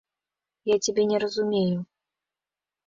Я цябе не разумею.